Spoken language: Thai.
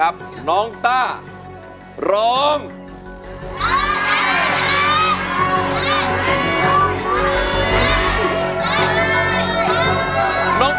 เพลงที่สองนะครับ